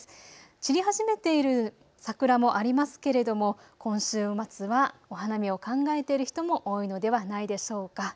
散り始めている桜もありますけれども今週末はお花見を考えている人も多いのではないでしょうか。